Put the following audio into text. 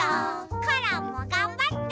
コロンもがんばって！